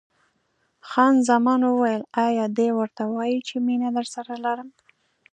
خان زمان وویل: ایا دی ورته وایي چې مینه درسره لرم؟